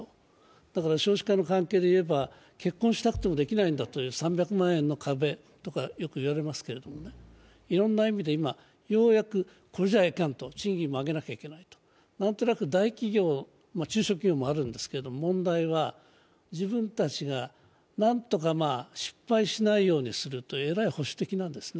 だから少子化の関係で言うと、結婚したくてもできないんだという３００万円の壁とかよく言われますけれども、いろんな意味で今、ようやく、これじゃいかんと、賃金も飢えげなきゃいけないと、何となく大企業、中小企業もあるんですけど、問題は自分たちが何とか失敗しないようにするという、えらい保守的なんですね。